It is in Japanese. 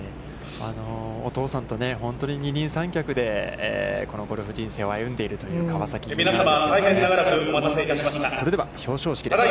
お父さんと本当に二人三脚で、このゴルフ人生を歩んでいるという川崎春花です。